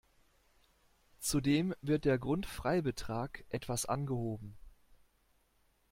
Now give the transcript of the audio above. Zudem wird der Grundfreibetrag etwas angehoben.